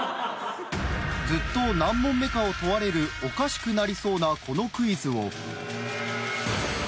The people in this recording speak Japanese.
［ずっと何問目かを問われるおかしくなりそうなこのクイズを］